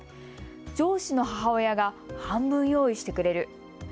上司の母親が半分用意してくれる。